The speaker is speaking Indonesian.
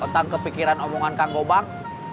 otak kepikiran omongan kanggobang